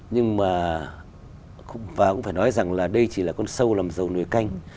nhưng mà cũng phải nói rằng là đây chỉ là con sâu làm dầu nồi canh